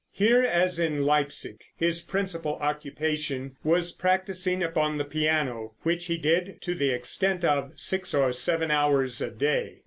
Here, as in Leipsic, his principal occupation was practicing upon the piano, which he did to the extent of six or seven hours a day.